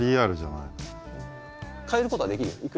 変えることはできるよ